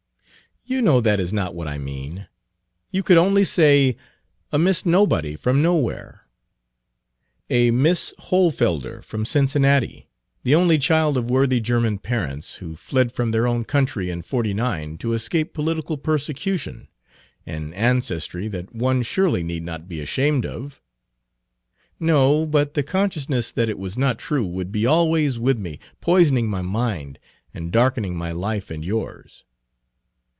"You know that is not what I mean. You could only say a Miss Nobody, from Nowhere." "A Miss Hohlfelder, from Cincinnati, the only child of worthy German parents, who fled from their own country in '49 to escape political persecution an ancestry that one surely need not be ashamed of." "No; but the consciousness that it was not true would be always with me, poisoning my mind, and darkening my life and yours."